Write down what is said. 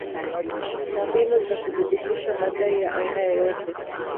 zina mbinu za kuthibitisha madai ya aina yoyote